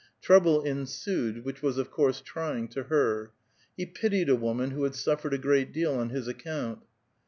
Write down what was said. Trouble ensued, whicli was, of course, trying to her. He ])itied a woman who had Buflfered a great deal on his account.